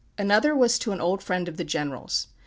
Another was to an old friend of the general's.